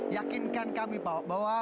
yakinkan kami pak bahwa